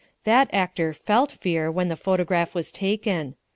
That actor felt fear when the photograph was taken.